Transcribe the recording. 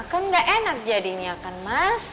kan nggak enak jadinya kan mas